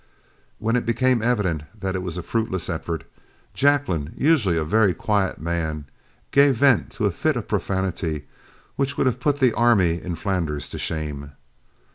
When it became evident that it was a fruitless effort, Jacklin, usually a very quiet man, gave vent to a fit of profanity which would have put the army in Flanders to shame.